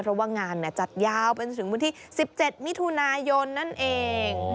เพราะว่างานจัดยาวไปจนถึงวันที่๑๗มิถุนายนนั่นเอง